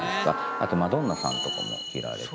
あとマドンナさんとかも着られた。